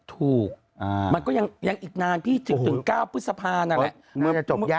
ถูกมันก็ยังอีกนานพี่ถึง๙พฤษภานั่นแหละ